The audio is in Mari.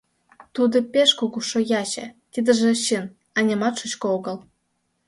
Тудо пеш кугу шояче — тидыже чын, а нимат шучко огыл.